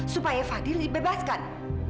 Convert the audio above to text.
supaya fadil dibebaskan